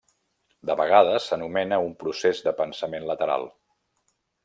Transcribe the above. De vegades s'anomena un procés de pensament lateral.